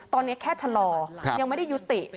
ตอนนี้แค่ชะลอยังไม่ได้ยุติ